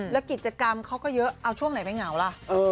แล้วกิจกรรมเขาก็เยอะเอาช่วงไหนไปเหงาล่ะ